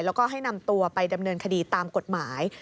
แล้วก็ให้นำตัวไปดำเนินคดีตามกฎหมาย